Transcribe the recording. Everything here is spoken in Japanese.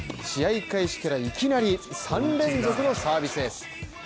試合開始からいきなり３連続のサービスエース。